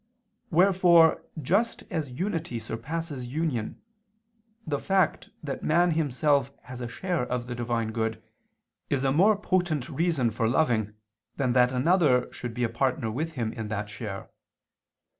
Wherefore just as unity surpasses union, the fact that man himself has a share of the Divine good, is a more potent reason for loving than that another should be a partner with him in that share.